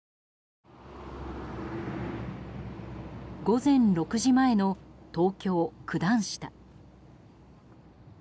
午前６時前の東京・九段下。